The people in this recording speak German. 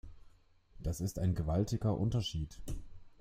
Das ist ein gewaltiger Unterschied.